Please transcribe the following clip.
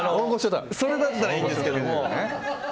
それだったらいいんですけども。